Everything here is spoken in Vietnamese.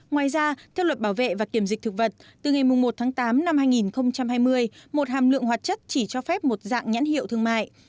ngoài ra theo luật bảo vệ và kiểm dịch thực vật từ ngày một tháng tám năm hai nghìn hai mươi một hàm lượng hoạt chất chỉ cho phép một dạng nhãn hiệu thương mại